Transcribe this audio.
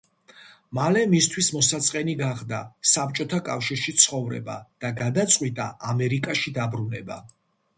მალე მისთვის მოსაწყენი გახდა საბჭოთა კავშირში ცხოვრება და გადაწყვიტა ამერიკაში დაბრუნება.